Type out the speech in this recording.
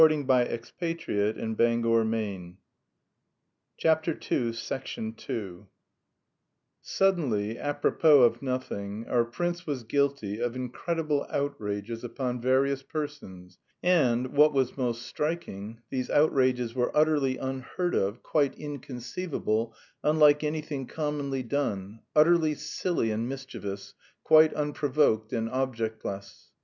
and behold the wild beast suddenly showed his claws. II Suddenly, apropos of nothing, our prince was guilty of incredible outrages upon various persons and, what was most striking these outrages were utterly unheard of, quite inconceivable, unlike anything commonly done, utterly silly and mischievous, quite unprovoked and objectless.